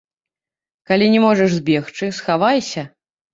Калі не можаш збегчы, схавайся.